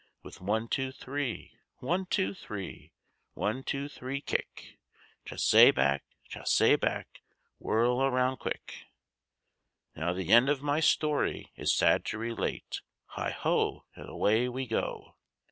With one, two, three; one, two, three; one, two, three kick; Chassee back, chassee back, whirl around quick. Now the end of my story is sad to relate Heigh ho! and away we go!